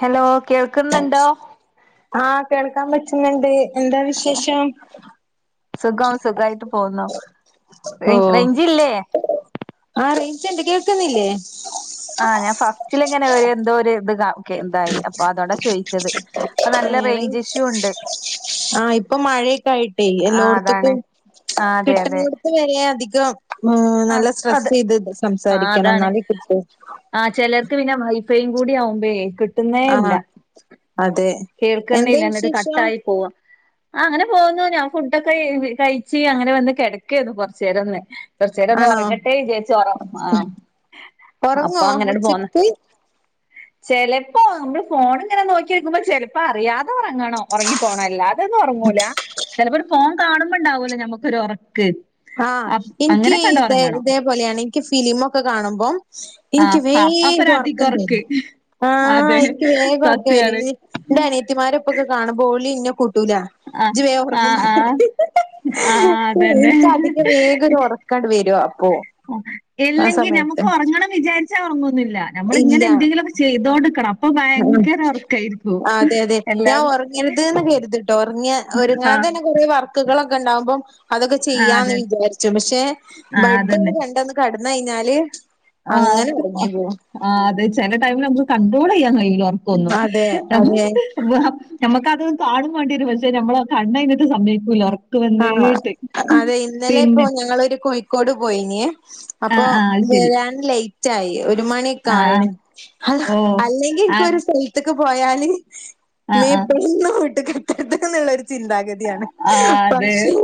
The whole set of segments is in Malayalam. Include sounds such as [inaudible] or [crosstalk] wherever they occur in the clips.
ഹലോ കേൾക്കുന്നുണ്ടോ ആഹ് കേൾക്കാൻ പറ്റുന്നുണ്ട് എന്താ വിശേഷം സുഖം സുഖമായിട്ട് പോകുന്നു റെയ്ഞ്ചില്ലേ ആ റേയ്ഞ്ച്ണ്ട് കേൾക്കുന്നില്ലേ ആഹ് ഞാൻ ഫസ്റ്റിലിങ്ങനെ ഒരു എന്തോ ഇത് കാ ഓക്കെ എന്തായി അപ്പൊ അതോടാ ചോയിച്ചത് അപ്പൊ നല്ല ഏഹ് റെയിഞ്ച് റേഞ്ച് ഇഷ്യും ഉണ്ട് ആഹ് ഇപ്പൊ മഴയൊക്കെ ആയിട്ട് ആ അതാണ് എല്ലോട്ത്തുക്കും ആ അതെ അതെ കിട്ടുന്ന ഇത് വരെ അധികം നല്ല അത് സ്ട്രെസ് അത് ചെയ്ത് സംസാരിക്കണം എന്നാലേ കി ആഹ് ചിലർക്ക് പിന്നെ വൈഫൈയും കൂടി ആകുമ്പഴെ കി ആഹ് അതെ എന്താ കേൾക്കുന്നില്ല എന്നിട്ട് വിശേഷം കട്ടായി പോവാ ആഹ് അങ്ങനെ പോകുന്നു ഞാൻ ഫുഡൊക്കെ കഴിച്ച് അങ്ങനെ വന്ന് കിടക്കാന്ന് കൊറച്ചേരൊന്ന് കൊറച്ചേരം ഒന്ന് ആണോ ഒറങ്ങട്ടേ വിചാരിച്ചു ഒറ ആഹ് അപ്പൊ ഉറങ്ങോ അങ്ങനട് പോന്ന ഉച്ചക്ക് ചെലപ്പോ നമ്മള് ഫോണിങ്ങനെ നോക്കിരിക്കുമ്പൊ ചെലപ്പൊ അറിയാതെ പ്പൊറങ്ങെണം ഒറങ്ങി പോണം. അല്ലാതെന്നൊറങ്ങൂല, ചെൽപ്പം ഒര്ഫേൺ. കാണുമ്പെണ്ടാവൂല്ല ഞമ്മുക്കൊരു ഒറക്ക് ആഹ് എനിക്ക് ഇതെ ഇതേപോലെയാണ് എനിക്ക് ഫിലിമൊക്കെ കാണുമ്പം ആഹ് എനിക്ക് ആഹ് അപ്പൊ ഒരു വേഗം അധിക ഒറക്കം ഉറക്ക് വരും അതെ ആഹ് എനിക്ക് വേഗം ഒറക്കം വരും. സത്യാണ് എന്റെ അനിയത്തിമാർ ഇപ്പൊക്കെ കാണുമ്പോൾ ഓളി ഇന്നെ കൂട്ടൂല ആഹ് ഇജ് വേഗം എറങ്ങും ആഹ് ആഹ് ആഹ് അതന്നെ അതിക വേഗം ഒറക്കാണ്ട് വരുവ അപ്പോ ഇല്ലെങ്കി നമുക്ക് ഒറങ്ങണം വിചാരിച്ചാ ഒറങ്ങൊന്നുയില്ല നമ്മള് ഇങ്ങനെ എന്തെങ്കിലും ചെയ്തോണ്ട് നിക്കണം ഉം അതെ അതെ ഞാൻ എല്ലാരും ഒറങ്ങിരതന്ന് കരുതിട്ടോ ഒറങ്ങിയാ ഒരുങ്ങാതെ ആഹ് തന്നെ കുറേ വർ കികളെക്കെ ഒണ്ടാവുമ്പം അതൊക്കെ ആഹ് ചെയ്യാമെന്ന് അതെ വിചാരിച്ചു പക്ഷെ ആഹ് അതന്നെ ബ്രെഡുകൾ കണ്ടെന്ന് ക കെടന്ന് കഴിഞ്ഞാല് അങ്ങനെ എറങ്ങി പോവും ആ അത് ചെല ടൈമിൽ നമുക്ക് കണ്ട്രോൾ ചെയ്യാൻ കയ്യൂല ഒർക്കൊന്നും അതെ അതെ നമ്മക്കത് കാണും വേണ്ടിരും പക്ഷെ നമ്മ കണ്ണയിനെട്ടേ സമ്മെയ്യിക്കൂല്ല ആ അതെ ഇന്നലെയിപ്പോ ഞങ്ങളൊരു കൊയ് കോയിക്കോട് പോയിനെ അപ്പൊ ആഹ് ആഹ് അത് ശരി വരാൻ ലേറ്റ് ആയി ഒരു മണി ആഹ് ആഹ് കായണ് അള്ള ഓഹ് അല്ലെങ്കി ഒ ആഹ് രു സ്ഥലത്തക്ക് പോയാല് മീ ആഹ് ആഹ് ആഹ് ഇപ്പഴണ് വീട്ട് [unintelligible] കിട്ടത് എന്നുള്ള ഒരു ചിന്താഗതിയാണ് ആഹ് അക്ഷോ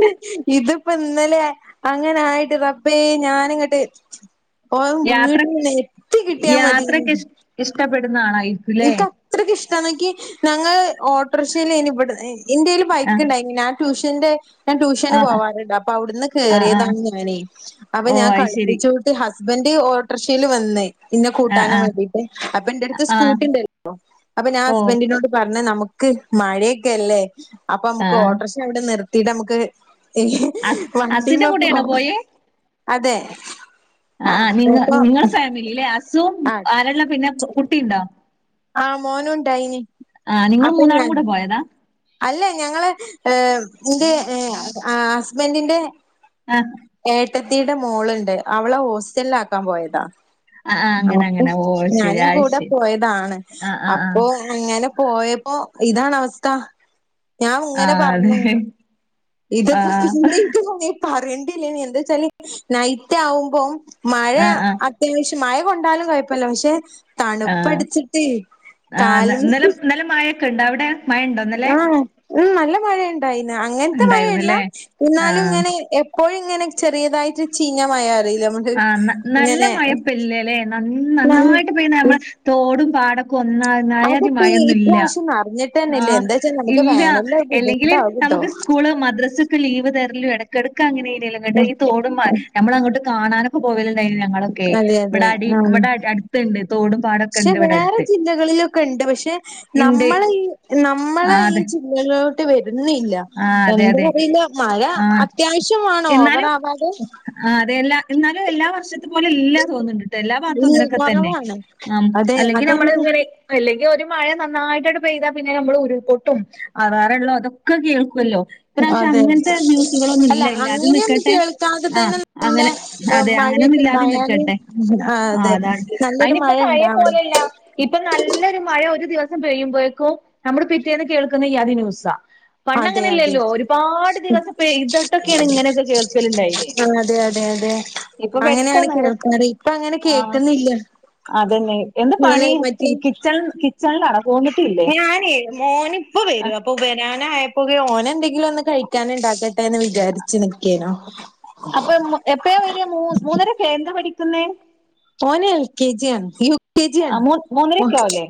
ഇതിപ്പോ ന്നലെ അങ്ങനായിട്ട് റബ്ബേ ഞാനങ്ങട്ട് ഔ യാത്ര വീട്ടിൽ എത്തി കിട്ടിയാ മതി യാത്രക്കെ ഇഷ് ഇഷ്ടപ്പെടുന്ന ആളായി ഇനിക്കത്രക്ക് ഇഷ്ടന്നെക്ക് ഞങ്ങള് ഓട്ടോറിക്ഷലെന് ഇവ്ട്ന്ന് ഇന്റേൽ ആഹ് ബൈക്ക്ണ്ടയ്ൻ ഞാൻ ട്യൂഷന്റെ ഞാൻ ട്യൂഷന് ആഹ് പോവാറുണ്ട് അപ്പൊ അവിടുന്ന് ആഹ് ആഹ് കേറിയതാണ് ഞാനേ അപ്പൊ ഓഹ് ഞാൻ അത് ശരി കളിപ്പിച്ചു ഹസ്ബൻഡ് ഓട്ടറിഷയിൽ വന്നു ഇന്നെ ആഹ് കൂട്ടാനും ആഹ് വേണ്ടീട്ട് അപ്പൊ എന്റെ അടുത്ത് ആഹ് സ്‌കൂട്ടിണ്ടായിരുന്നു അപ്പൊ ഞാൻ ഓഹ് ഹസ്ബൻഡിനോട് പറഞ്ഞ നമുക്ക് മഴയൊക്കെ അല്ലേ അപ്പൊ നമുക്ക് ആഹ് ഓട്ടോറിക്ഷവടെ നിർത്തിട്ട് നമുക്ക് ഇഹ് അസ് വണ്ടിമ്മ അസിന്റെ പോ കൂടെയാണോ പോയേ വാൻഅതെ ആ നിങ്ങ നിങ്ങള ഫാമിലില്ലെ ഹസും ആ ആരാ ള്ളേ പിന്നെ കുട്ടിയുണ്ടോ ആഹ് മോനൂ ണ്ടായ്നി ആ നിങ്ങൾ അപ്പൊ മൂന്നാളും ഞാൻ കൂടെ പോയതാ അല്ലാ ഞങ്ങള് ഇന്റെ ഹസ്ബന്റിന്റെ ആഹ് ഏട്ടത്തിടെ മോളുണ്ട് അവളെ ഹോസ്റ്റലാക്കാൻ പോയതാ ആ ആ അങ്ങനെ അങ്ങനെ ഓ ശരി ഞാനും അത് കൂടെ ശരി പോയതാണ് ആ ആ ആ അപ്പൊ അങ്ങനെ പോയപ്പോ ഇതാണ് അവസ്ഥ ഞാൻ ആ ഇങ്ങനെ പറഞ്ഞു അതെ ആ ഇത്പ്പോ പിന്നിക്ക് തോന്നേ പറയണ്ടില്ലേയ്നി എന്താച്ചാല് നൈറ്റ് ആകുമ്പോം മഴ ആ ആ അത്യവിഷ മഴ കൊണ്ടാലും കുഴപ്പല്ല പക്ഷെ ആഹ് തണുപ്പടിച്ചിട്ട് ആ ന്നലെ കാല്മ്മല് ന്നലെ മഴൊക്കെണ്ടോ അവിടെ മഴ ഉണ്ടോ ഇന്നലെ ആഹ് നല്ല മഴയുണ്ടായിന്ന് അങ്ങനത്ത മഴല്ല ഉണ്ടായിരുന്നല്ലേ ആ എന്നാലും ഇങ്ങനെ എ എപ്പഴുംങ്ങനെ ചെറിയതായിട്ട് ചീഞ മയറില്ലേ ആഹ് നല്ല മഴപ്പില്ലല്ലേ നല്ല നന്നായിട്ട് പെയ്യണ നമ്മള് തോടും പാട കൊന്നവണ ആയാതി അതിപ്പോ ഈ മഴയൊന്നുംല്ല ഇപ്രാവശ്യം അറിഞ്ഞിട്ട് ആ തന്നെല്ലേ എന്താച്ചാ നമുക്ക് ഇല്ല വേനലില് അത് അല്ലെങ്കില് ബുദ്ധിമുട്ടാകുട്ടോ നമുക്ക് സ്കൂള് മദ്രസ ഒക്കെ ലീവ് തരലും ഇടക്കിടക്ക് അങ്ങനെയന്നല്ലോ തോടും നമ്മള അങ്ങോട്ട കാണാനും പോവലണ്ട ഞങ്ങളൊക്കെ അതെ അതെ ഇവിടെ ആഹ് ഇവിടെ അരി അടുത്ത്ണ്ട് തോടും പാടും പക്ഷെ വേറെ ജില്ലകളിലൊക്കെ ഉണ്ട് പക്ഷെ ഇണ്ട് നമ്മള ഈ നമ്മളെ ആഹ് ഈ അതെ ഇല്ലല്ലോ വരുന്നില്ല ആഹ് അതെ എന്താ അതെ അറിയില്ല മഴ ആഹ് അത്യാവശ്യവേണം ഓവർ ആവാതെ ആഹ് അതെ എല്ലാ എന്നാലും എല്ലാ വർഷത്തി പോലെ എല്ലാ തോന്നുന്നുണ്ട്ട്ടോ എല്ലാ ഭാഗത്തും ഇല്ല ഇങ്ങനെക്കെ തന്നെ കൊറവാണ് ആം അതെ അല്ലെങ്കിൽ നമ്മള് അതന്നെ ഇവരെ ' അല്ലെങ്കി ഒരു മഴ നന്നായിട്ടായിട്ട് പെയ്താ പിന്നെ നമ്മള് ഉരുൾപൊട്ടും ആ വേറെള്ളതും ഒക്ക കേൾക്കുല്ലോ ഇപ്രാവശ്യം അതെ അങ്ങനത്തെ ന്യൂസുകളൊന്നും അല്ല ഇല്ല ഇല്ലാതെ അങ്ങനെയൊന്നും നിക്കട്ടെ കേൾക്കാതെ ആ തന്നെ അങ്ങനെ ഏഹ് അതെ അങ്ങനൊന്നും മഴയൊക്കെ ഇല്ലാതിനി ഉണ്ടായാല് ക്കട്ടെ ആ അതെ അതാണ് നല്ലൊരു അയിനി ഇപ്പ മഴ പഴെ ഉണ്ടാവണം പോലല്ല ഇപ്പൊ നല്ലൊരു മഴ ഒരു ദിവസം പെയ്യുമ്പോക്കും നമ്മുടെ പിറ്റേന്ന് കേൾക്കുന്ന ഈയാതി ന്യൂസാ അതെ അതെ പണ്ടങ്ങനെയല്ലല്ലോ ഒരുപാട് ഉം ദിവസം പെയ്തിട്ടൊക്കെയാണ് ഇങ്ങനെയൊക്കെ കേൾക്കലുണ്ടായിന് ആ അതെ അതെ അതെ ഇപ്പൊ അങ്ങനെയാണ് പെട്ടെന്ന് ഒരു കേൾക്കാറ് ഇപ്പ അങ്ങനെ ആഹ് കേക്കുന്നില്ല അതന്നെ എന്താ പണി കിച്ചൺ കിച്ചണിൽ ആണോ പോന്ന് ഞാനെ മോനിപ്പ വരും അപ്പൊ വരാന് ഓന ആയപ്പോകെ ഓനെന്തെങ്കിലും ഒന്ന് കഴിക്കാൻണ്ടാക്കട്ടെ എന്ന് വിചാരിച്ച് നിക്കേനോ അപ്പം, എപ്പെയാ വെരാ മൂ മൂന്നെരക്കായേ എന്താ പഠിക്കുന്നെ. ഓന് എൽ. കെ. ജി. യാണ്, യൂ. ക്കെ. ജ്യാണ്, ആ മൂ ഓൻ. മൂന്നരക്കെ ആവൂലേ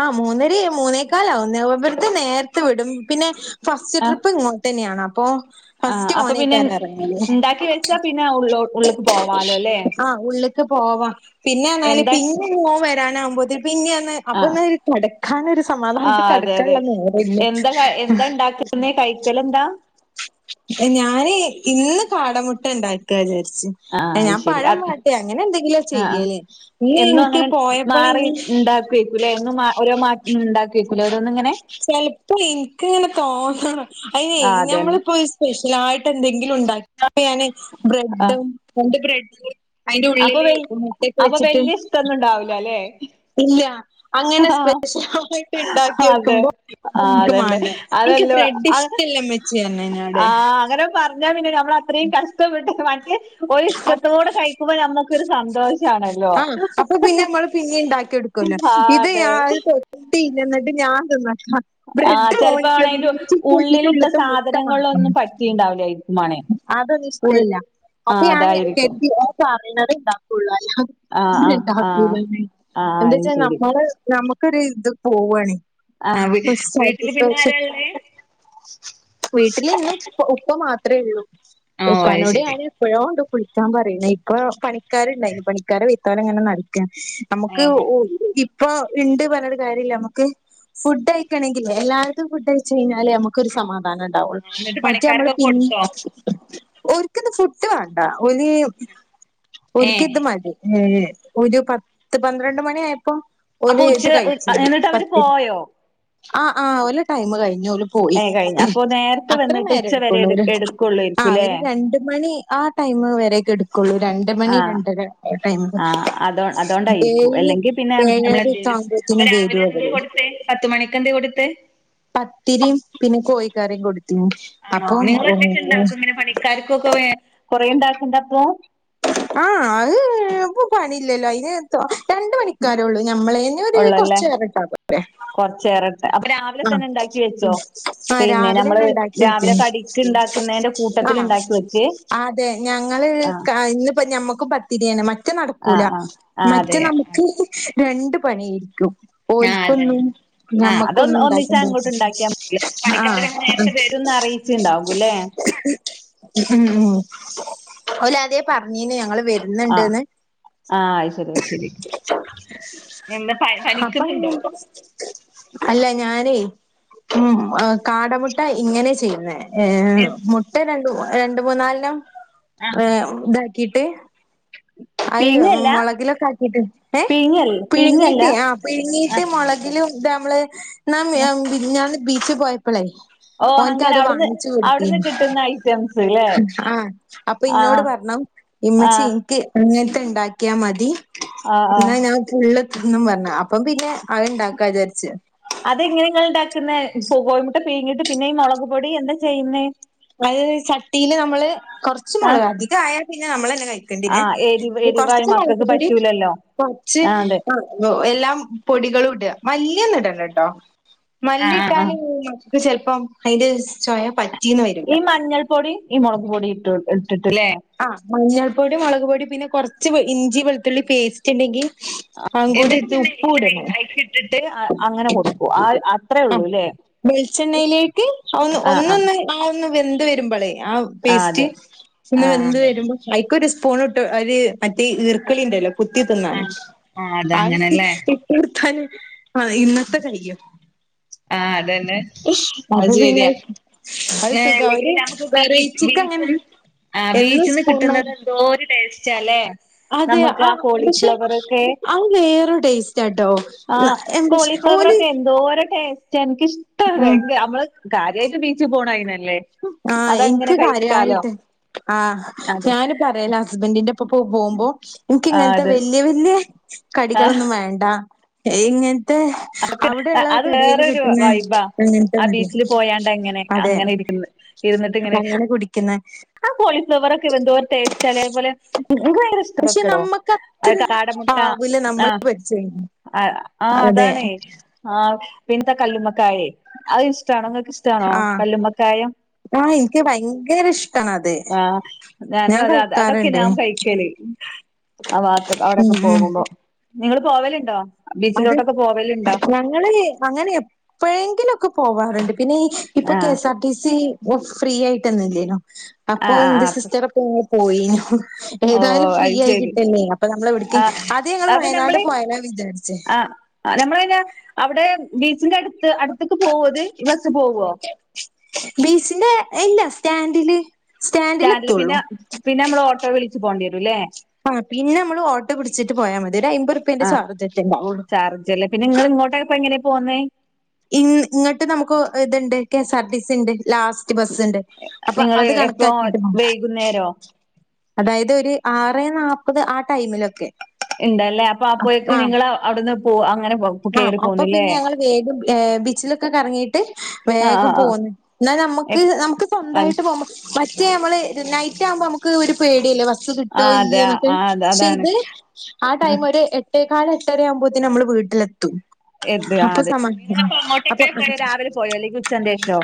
ആഹ് മൂന്നെരെ മൂന്നേക്കാലാവുന്നെ, ഇവര്തെ നേരത്തെ വിടും. പിന്നെ ഫസ്റ്റ് ആ ട്രിപ്പ് ഇങ്ങോട്ടെന്നെയാണപ്പോ, ഫസ്റ്റ്, മേനെയ്ക്കാര എറങ്ങല്. ഇണ്ടാക്കി വെച്ചാ പിന്നെ ഉള്ളോ ഉള്ള്ക്ക് പോവാലോ, ല്ലേ. ഉള്ള്ക്ക് പോവാ. പിന്നെന്നാല് പിന്നെ മോ വരാനാവകുമ്പോത്തിന് പിന്നെന്ന്. ആ അപ്പൊന്നെര് കെടക്കാനൊര് ആ സമാധാനത്ത് കെടക്കാള്ള നേരല്ലാ. അഹ്. [unintelligible] ണ്ടാക്കലെന്നെ കഴിക്കലെന്താ? ഞാനെ, ഇന്ന് കാടമുട്ട ഇണ്ടാക്കാന്ന് വിചാരിച്ച് ആഹ്, അയ് ഞാൻ ശെരി പഴം അത് വാട്ടി അങ്ങനെ എന്തെങ്കിലുവാ അഹ് ആഹ് ചെയ്യല് ഇന്ന് എന്നും എനിക്ക് അങ്ങനെ മാറി പോയപ്പള് ണ്ടാക്ക്വെയ്ക്കൂല്ലേ, എന്നും ഓരോ മാറ്റ് ല്ലുണ്ടാക്കെയ്ക്കുലെ ഓരോന്ന്ങ്ങനെ. ചെൽപ്പം എൻക്ക് ങ്ങനെ തോന്നണം അയ്നെ ആ അതന്നെ ഞമ്മളിപ്പോ ഇസ് സ്പെഷ്യലായിട്ടെന്തെങ്കിലും ഉണ്ടാക്കാന് യാന് ആ ബ്രെഡ് രണ്ട് ബ്രെഡ്. അയിൻ്റെ അപ്പൊ ഉള്ളില് വൽ മുട്ടെക്കെ അപ്പൊ വെച്ചിട്ട്. വല്യ ഇഷ്ടൊന്നും ഉണ്ടാവൂല അല്ലേ ഇല്ലാ, അങ്ങനെ ആഹ് സ്പെഷ്യലായിട്ട് ണ്ടാക്കി അതെ വെക്കുമ്പോ, ആഹ് അതോന്ക്ക് അതന്നെ വാണ്ട. അതല്ലോ അഅ് എന്നോട് ആഹ് അങ്ങനെ പറഞ്ഞ് ഞ്ഞാ പിന്നെ നമ്മളത്രേം കഷ്ടപ്പെട്ട് മറ്റേ ഒരിഷ്ടത്തോട് കഴി പ്പ ഞമ്മക്കൊരു സന്തോഷാണല്ലോ. പിന്നിം ണ്ടാക്കി കെട്ക്കല്ലോ ആഹ് ഇത് ഞാ അതെ തൊട്ടില്ല എന്നിട്ട് ഞാ തിന്നെക്കാ ആഹ് ബ്രഡ് ചെലപ്പോ ഓൻക് ആണെ അയിന്റെ [unintelligible] ബ്രഡിൻ്റെ ഉള്ളിലിട്ട ഉള്ള്ത്തെ മുട്ടമാത്രം. സാധനങ്ങളിലൊന്നും പറ്റിണ്ടാവില്ലായിരിക്കും മാണെ ഉൾ അതൊനിഷ്ടല്ലാ, അപ്പൊ ആഹ് ഞാൻ അതായിരിക്കും കര്തി ഓം പറയ്ണത്ണ്ടാക്കും. ഫുള്ളെല്ലാം ആഹ് ഞി ആഹ് ആഹ് ണ്ടാകൂലെന്നെ ആഹ് അത് എന്താച്ചാ ശരി നമ്മള് നമക് ക്കെര് ത് പോവാണേ. ആഹ് വീട്ടില് [unintelligible] പിന്നെ ആരാ ദോശെണ് ഇള്ളേ വീട്ടിലെന്നും ഉപ് പ്പ മാത്രേള്ളൂ ഓഹ് അത് പ്പാനോട് ശരി ഞാന്. എപ്പോഴോണ്ട് കുളിക്കാൻ പറയ്ണ്. ഇപ്പ പണിക്കാര്ണ്ടായ്ന് പണിക്കാര വെയ്ത്താലങ്ങനെ നടക്കാണ്. ഏ അമുക്ക് ഉ ഇപ്പൊ ഇണ്ട് പറഞിട്ട് കാര്യല്ല അമുക്ക്. ഫുഡയിക്കണെങ്കിലെ എല്ലാര്ക്കും ഫുഡ് കയിച്ചെയ്ഞ്ഞാലേ, നമുക്കൊരു സമാധണ്ടാവൊള്ളൂ. എന്നിട്ട് മറ്റെ അമ്മള് പണിക്കാർക്കൊക്കെ പിന്നിം. കൊടുത്തോ ഓർക്ക്ന്ന് ഫുഡ്ഡ് വാണ്ട ഓല് ഏ ഓല്ക്ക്ത് മതി ഏ ഒരു പത്ത് പന്ത്രണ്ട് മണി ആയപ്പോ അപ്പൊ ഓല് ഉച്ച ഇത് കഴിച്ചീനി എന്നിട്ട് അവര് പത്തിരി പോയോ ആഹ് ആഹ് ഓലെ ടൈം കഴിഞ്ഞു ഓല് പോയി ഏ കഴിഞ്ഞ അപ്പൊ നേരത്തെ വന്നിട്ട് അത്രനേരം ഉച്ച വരെ എടുക്കൊള്ളൂ എടു ഓര് ആഹ് എടുക്കുള്ളൂരിക്കുംല്ലേ ഒരു രണ്ട് മണി ആ ടൈമ് വരക്കെ എടുക്കൊള്ളൂ രണ്ട് രണ്ട് മണി ആഹ് രണ്ടര ആടൈമ് ആഹ് അതോ അതോണ്ടായിരിക്കും ഏഴ് അല്ലെങ്കി പിന്നെ നമ്മളെന്തേലും ഏയെരക്കാവുമ്പോ അപ്പൊ രാവിലെ എന്തേ കൊടുത്തേ പത്തുമണിക്ക് എന്തേ കൊടുത്തേ പത്തിരിം പിന്നെ കോഴിക്കറിം കൊട്ത്തീനി ആണോ നിങ്ങളൊറ്റക്ക് ഇണ്ടാക്കും ഇങ്ങനെ പണിക്കാർക്കൊക്കെ വേ കൊറേ ഇണ്ടാക്കണ്ടപ്പോ ആഹ് അത് പോ പണില്ലല്ലോ അയിന് രണ്ട് പണിക്കാരൊള്ളൂ ഞമ്മളേന് ഒരു കൊറച്ച് ഏറെട്ടാപോരെ കൊറച്ചേറെ അപ്പൊ രാവിലെ തന്നെ ഇണ്ടാക്കി വെച്ചോ ആഹ് പിന്നെ നമ്മള് രാവിലെന്നെ ഇണ്ടാക്കി രാവിലെ വെച്ചിന് കടിക്ക് ഇണ്ടാക്കുന്നേന്റെ ആഹ് ആതെ ഞങ്ങള് ആഹ് ഇന്ന്പ്പ ഞമ്മക്കും പ തിരിയാണ് മറ്റേ ആഹ് നടക്കൂല ആഹ് ആഹ് മറ്റേ അതെ നമുക്ക് രണ്ടു പണി യായിരിക്കും അതെ ഓൽക്കൊന്നും നമ്മ ആഹ് അതൊന്ന് ഒന്നിച്ച് കൊന്നുണ്ടാക്കെണ്ടെ അങ്ങോട്ട് ഉണ്ടാക്കിയാ മതില്ലേ ആഹ് അഹ് പനിക്ക് വരുംന്ന് അറിയിച്ചിണ്ടാവൂല്ലേ ഉം ഓല് ആദ്യേ പറഞ്ഞീനു ഞങ്ങള് വരും ആഹ് ന്ന്ണ്ട്ന് ആഹ് ആയിശേരി ആയിശേരി എന്താ പ അപ്പൊ പനിക്കുണ്ടോ അങ്ങനെ അല്ല ഞാനേയ് ഉം ആകാടമുട്ടഇങ്ങനെ ചെയ്യു ന്നേ ഏഹ് എഹ് ഇട്ട രണ്ട് രണ്ട് മൂന്നാലണ്ണം ആഹ് ഏ താക്കിട്ട് അയെ പീങ്ങല്ല മൊളകിലൊക്കാക്കീട്ട് ഏഹ് പീങ്ങൽ പീങ്ങല്ല പിഴ്ങ്ങീട്ട് ആഹ് പിഴ്ങ്ങീട്ട് ആഹ് മുളകിലും ഇതമ്മള് ഞാമ് ഞാമ് മിൻ ഞ്ഞാന്ന്ബീച്പോയപ്പളേ ഓഹ് അങ്ങനെ ഓൻക്കത് അവിടുന്ന് വാങ്ങിച്ചു അവിടുന്ന് കൊടുത്തിനു കിട്ടുന്ന ഐറ്റംസ് ല്ലേ ആഹ് അപ്പൊ ഇന്നോട് ആഹ് പർണു ആഹ് ഉമ്മച്ചിൻക്ക് ഇങ്ങൻത്തെ ണ്ടാക്യാമതി ആഹ് ആഹ് ന്നാ ഞാൻ ഫുള്ള് ഇന്നുംപർൺ അപ്പംപിന്നെ അഅ്ണ്ടാക്കാ ചാരിച്ച് അതെങ്ങനെ ഇങ്ങള്ണ്ടാക്ക്ന്നെ കൊ കോയിമുട്ട പിഴിങ്ങീട്ട് പിന്നെ ഈ മൊളക് പൊടി എന്താ ചെയ്യ്ന്നെ അത് ചട്ടിയില് നമ്മള് കൊറച്ച് ആഹ് മൊളക് അധികായാൽ പിന്നെ നമ്മളെന്നെ കഴിക്കേണ്ടിരേ ആഹ് എരിവ് എരിവായി കൊറച്ച് മൊളക് മക്കൾക്ക് പൊടി പറ്റൂലല്ലോ കൊറച്ച് ആഹ് അതെ ആഹ് എല്ലാം പൊടികളും ഇട മല്ലിന്നുടണ്ടട്ടോ ആഹ് ആഹ് മല്ലിട്ടാല് ക്ക് ചെല്പ്ം അതിന്റെ ചൊയ പറ്റിന്ന് വരും ഈ മഞ്ഞൾ പൊടിം ഈ മൊളക് പൊടി ഇട്ട് ഇട്ട്ട്ട്ലേ ആഹ് മഞ്ഞൾ പൊടി മൊളക് പൊടി പിന്നെ കൊറച്ച് ഇഞ്ചി വെളുത്തുള്ളി പേസ് ചിണ്ടങ്കി അതുംകൂടിത്ത് ഉപ്പൂടണം ട്ടിട്ട് ആഹ് അങ്ങനെ കൊടുക്കും ആഹ് അത് ഉം വെളിച്ചെണ്ണയിലേക്ക് ആഒന്ന് ആഹ് ആഹ് ഒന്നൊന്ന് ആഒന്ന് വെന്ത് വരുമ്പളൈ ആഹ് പേസ്റ്റ് ഒന്ന് വെന്ത് ആഹ് വരുമ്പോ ഐക്കൊരു സ്പൂണുട്ട് ഒര് മറ്റേ ഈർക്കിളി ഇണ്ടല്ലോ കുത്തി തിന്നാണ് ആ ആഹ് അതങ്ങനല്ലേ ഇ ഇടുത്താല് ആഹ് ഇന്നത്തെ കയ്യും ആഹ് അതന്നെ അത് അപ്പൊ പിന്നെ ശരിയാ അത് സുഖാ അല്ലെങ്കിൽ ഒരു നമക്ക് ബീ വെറൈറ്റിക്ക് അങ്ങനെ ബീച്ച്ന്ന് ആഹ് എന്നും ബീച്ച്ന്ന് കിട്ടുന്നത് സ്പൂണായിട്ട് എന്തോരു ടേസ്റ്റാല്ലേ നമ്മക്ക് ആഹ് കോളിഫ്ലവറൊക്കെ വേറെരു ടേസ്റ്റാട്ടോ ആഹ് എന്താ കോളിഫ്ലവർ ഓല് ഒക്കെ എന്തോര ടേസ് റ്റ എനിക്ക്ഷ്ടാണ് ഉം ഭയങ്കര നമ്മള് കാര്യായിട്ട് ബീച്ച് പോണ അയിനല്ലേ ആഹ് അതങ്ങനെ ഇന്ക്ക് കഴിക്കാലോ കാര്യയിട്ട് ആഹ് അതെ ഞാന് പറയല ഹസ്ബൻ്റിന്റെ പ്പൊ പോകുമ്പോ ആ ഇനിക്ക്ങ്ങൻത്തെ അത് വല്ല്യ വല്ല്യ ആ കടികളൊന്നും വേണ്ടാ ഇങ്ങൻത്തെ അതൊക്കെ അത് വേറരു വൈബാ അങ്ങനത്തെ ആഹ് മതി ബീച്ചില് പോയാണ്ടങ്ങനെ അതെ അങ്ങനെ ഇരിക്കുന്ന് ഇരുന്നിട്ട്ങ്ങനെ അങ്ങനെ കുടിക്കുന്ന ആഹ് കോളിഫ്ലവറൊക്കെ എന്തോര് ടേസ്റ്റാലേ അതേപോലെ ഇനിക്ക് ഭയങ്കര്ഷ് പക്ഷെ ക്കടോ നമ്മക്ക് അത്ര അതൊ കാട മുട്ടാ ആവൂല നമ്മള് ആഹ് പരിചയം. ആഹ് ആഹ് അതെ അതാണെ ആഹ് പിന്നെത്ന കല്ലുമ്മക്കായെ അത് ഇഷ്ടണൊങ്ങക്ക്ഷ് ഇഷ്ടാണോ ആഹ് കല്ലുമ്മക്കായം ആഹ് ഇന്ക്ക് ഭയങ്കര ഇഷ്ടാണ് അത് ആ ഞാനും അത അത് അതൊക്കെ ഞാൻ കഴിക്കല് ആ വാത്ത്ക് ഉം അവിടൊക്കെ ഉം പോകുമ്പോ നിങ്ങള് പോവല്ണ്ടോ? അത് ഞങ്ങള് അങ്ങനെ എപ് എപ്പോഴെങ്കിലൊക്കെ പോവാറ്ണ്ട് പിന്നെ ഈ ഇപ്പോ ആ കെ സാ ടിസി ഓ ഫ്രീ ആയിട്ടൊന്ന് ഇല്ലേനോ ആ അപ്പോ ആ ആ ന്റെ സിസ്റ്ററപ്പോ പോയിന്നു ഓ ഏതായാലും ഫ്രീ അത് ആയി ശരി കിട്ടല്ലേ അപ്പൊ നമ്മൾ എവിടേകേ ആ അത് ഞങ്ങൾ വയനാട് പോയാല വിചാരിച്ചു ആഹ് ഞമ്മളിന്നെ അവടെ ബീച്ചിന്റെ അടുത്ത് അടുത്തക്ക് പോവോ ഇത് ഈ ബസ് പോവുവോ ബീച്ചിന്റെ ഇല്ല സ്റ്റാൻഡില് സ്റ്റാൻഡിൽ സ്റ്റാൻഡില് പിന്നെ എത്തുള്ളൂ പിന്നെ അമ്മള് ഓട്ടോ വിളിച്ച് പോവണ്ടി വരുലേ ആഹ് പിന്നെ അമ്മള് ഓട്ടോപിടിച്ചിട്ട് പോയാ മതി ഒരു അയ്മ്പർ ആഹ് ചാർജ് അല്ലേ പിന്നെ ഇങ്ങള് ഇങ്ങോട്ടേപ്പ എങ്ങനെയാ പോന്നേ ഇൻ ഇങ്ങട്ട് നമുക്കോ ഇത്ണ്ട് കെ സാർ ടിസ്ണ്ട് ലാസ്റ്റ് ബസ്ണ്ട് അപ്പ നിങ്ങള് അത് എപ്പോ കണക്കാക്കിട്ട് [unintelligible] വൈകുന്നേരോ അതായത് ഒര് ആറേ നാപ്പത് ആഹ് ടൈമിലൊക്കെ ഇണ്ടല്ലേ അപ്പൊ അപ്പോയേക്ക് ആഹ് നിങ്ങള് അവിടുന്ന് പോ അങ്ങനെ പോ ആഹ് അപ്പൊ പിന്നെ ഞങ്ങൾ വേഗം ബീച്ചിലൊക്കെ കറങ്ങിട്ട് ആ വേഗം ആ പോന്ന്. ന്നാൽ നമ്മുക്ക് നമുക്ക് ആ സ്വന്തായിട്ട് പോകുമ്പ മറ്റേ മ്മള് നൈറ്റ് ആകുമ്പോ നമുക്ക് ഒരു പേടില്ലേ ബസ്സ് സ് ആ കിട്ടോ അതെ ഇല്യേ ന്നൊക്കെ ആ അത ശേ അതാണ് ഇത് ആ ടൈമ് ഒര് എട്ട്. ട്ടേക്കാല് എട്ടരാവുമ്പോതിന് അമ്മൾ വീട്ടിലെത്തും. എത് ആ അപ്പൊ അതെ സമാ ഹാ നിങ്ങളപ്പ അപ്പൊ അങ്ങോട്ടൊക്കെ പോയ രാവിലെ പോയോ അല്ലെങ്കി ഉച്ചന്റെഷോ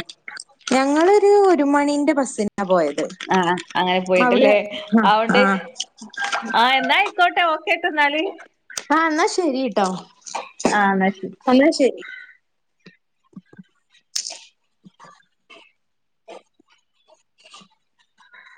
ഞങ്ങളൊര് ഒരു മണീന്റെ ബസിനാ പോയത്. ആഹ് അങ്ങനെ അവിടെ പോയിട്ടല്ലേ ആ ആ അഒണ്ട് ആഹ് എന്നായി ഓക്കോട്ടെ ഓക്കേട്ടോന്നാല്. ആഹ് ന്നാ ശരിട്ടോ. ആഹ് ന്നാ ശരി ന്നാ ശരി.